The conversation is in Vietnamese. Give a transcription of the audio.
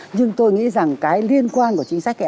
nhưng tôi nghĩ rằng cái liên quan của chính sách